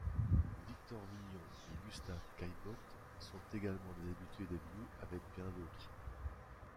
Victor Vignon et Gustave Caillebotte sont également des habitués des lieux avec bien d'autres.